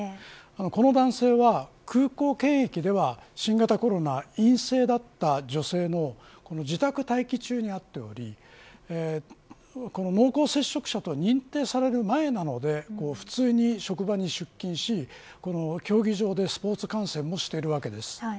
この男性は、空港検疫では新型コロナ陰性だった女性の自宅待機中に会っておりこの濃厚接触者と認定される前なので普通に職場に出勤し競技場でスポーツ観戦もしているわけです。